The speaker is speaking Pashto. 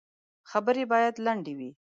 خبري باید لنډي وي .